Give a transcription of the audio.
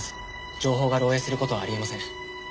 情報が漏洩する事はあり得ません。